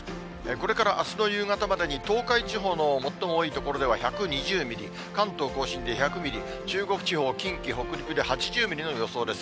これからあすの夕方までに、東海地方の最も多い所では１２０ミリ、関東甲信で１００ミリ、中国地方、近畿、北陸で８０ミリの予想です。